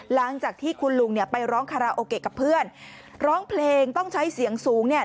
หลังจากที่คุณลุงเนี่ยไปร้องคาราโอเกะกับเพื่อนร้องเพลงต้องใช้เสียงสูงเนี่ย